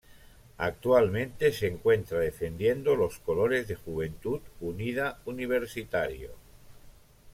Actualmente se encuentra defendiendo los colores de Juventud Unida Universitario.